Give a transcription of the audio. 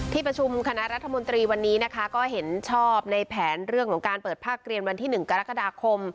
ประชุมคณะรัฐมนตรีวันนี้นะคะก็เห็นชอบในแผนเรื่องของการเปิดภาคเรียนวันที่๑กรกฎาคม